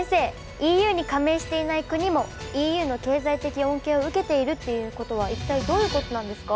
ＥＵに加盟していない国もＥＵの経済的恩恵を受けているっていうことは一体どういうことなんですか？